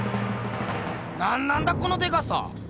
なんなんだこのでかさ！